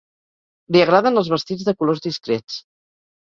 Li agraden els vestits de colors discrets.